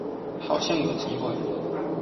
好像有機會